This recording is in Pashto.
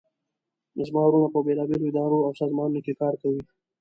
زما وروڼه په بیلابیلو اداراو او سازمانونو کې کار کوي